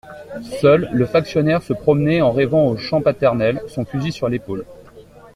Seul, le factionnaire se promenait en rêvant aux champs paternels, son fusil sur l'épaule.